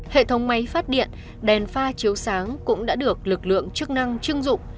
hệ thống máy phát điện đèn pha chiếu sáng cũng đã được lực lượng chức năng chưng dụng